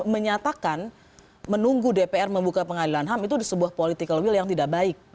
menyatakan menunggu dpr membuka pengadilan ham itu di sebuah political will yang tidak baik